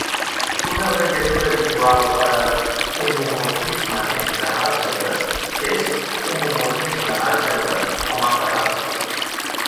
Una abreviatura habitual per a "homomorfisme entre àlgebres" és "homomorfisme d'àlgebra" o "mapa d'àlgebra".